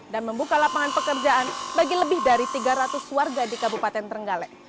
dan membuka lapangan pekerjaan bagi lebih dari tiga ratus warga di kabupaten trenggale